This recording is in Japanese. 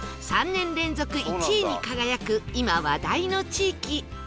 ３年連続１位に輝く今話題の地域